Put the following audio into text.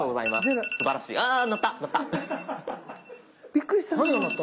びっくりした。